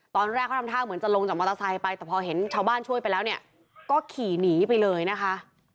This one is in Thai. ตอนแรกเขาทำท่าเหมือนจะลงจากมอเตอร์ไซค์ไปแต่พอเห็นชาวบ้านช่วยไปแล้วเนี่ยก็ขี่หนีไปเลยนะคะ